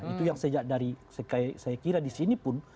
itu yang sejak dari saya kira di sini pun